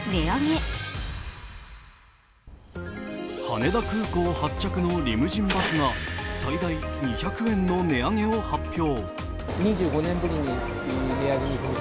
羽田空港発着のリムジンバスが最大２００円の値上げを発表。